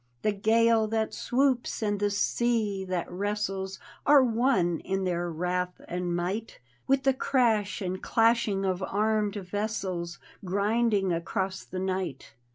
The gale that swoops and the sea diat wrestles Are one in their wrath and might With the crash and clashing of armed vessels, Grinding across the night.